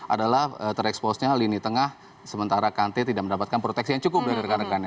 adalah tereksposnya lini tengah sementara kante tidak mendapatkan proteksi yang cukup dari rekan rekannya